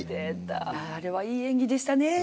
あれはいい演技でしたね